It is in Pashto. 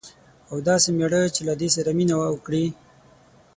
او داسي میړه چې له دې سره مینه وکړي